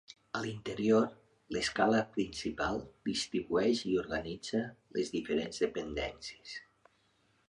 A l'interior, l'escala principal distribueix i organitza les diferents dependències.